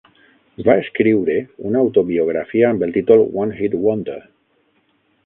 Va escriure una autobiografia amb el títol "One Hit Wonder".